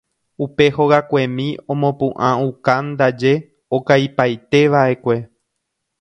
Upe hogakuemi omopu'ãukándaje okaipaitéva'ekue.